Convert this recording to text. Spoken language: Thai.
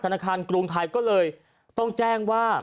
ธนาคารกรุงไทยก็เลยต้องแจ้งว่า